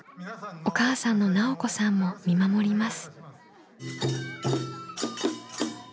お母さんの奈緒子さんも見守ります。